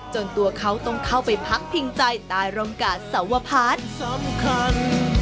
จนตัวเขาต้องเข้าไปพักพิงใจตายร่มกาสสวภาษณ์